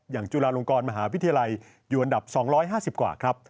จุฬาลงกรมหาวิทยาลัยอยู่อันดับ๒๕๐กว่าครับ